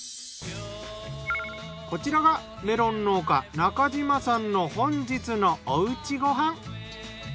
こちらがメロン農家中嶋さんの本日のお家ご飯。